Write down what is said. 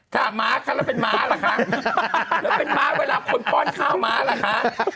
ถามมาคก็ละเป็นมาคละคะพี่มาสเมื่อคนพอตข้าวมาคละคะ